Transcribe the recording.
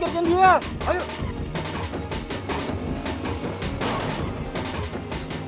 yet selamat balik